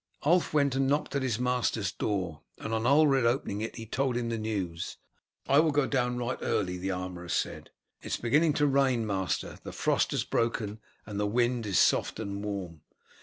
Ulf went and knocked at his master's door, and on Ulred opening it he told him the news. "I will go down right early," the armourer said. "It is beginning to rain, master. The frost has broken, and the wind is soft and warm."